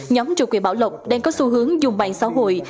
nhóm chủ quyền bảo lộc đang có xu hướng dùng mạng xã hội